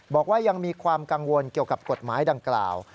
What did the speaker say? บอกว่ายังมีความกังวลเกี่ยวกับกฎหมายดังกล่าว